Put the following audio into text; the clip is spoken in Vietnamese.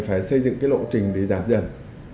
phải xây dựng cái lộ trình để giảm dần